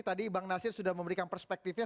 tadi bang nasir sudah memberikan perspektifnya